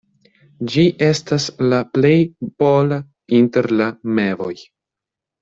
Ĝi estas la plej pola inter la mevoj.